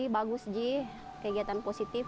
bagus kegiatan positif